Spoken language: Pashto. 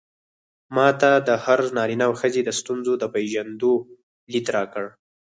ما ته د هر نارينه او ښځې د ستونزو د پېژندو ليد راکړ.